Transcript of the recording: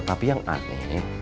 tapi yang aneh